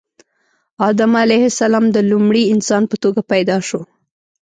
آدم علیه السلام د لومړي انسان په توګه پیدا شو